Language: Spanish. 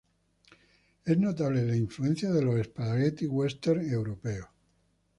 Es notable la influencia de los spaghetti westerns europeos.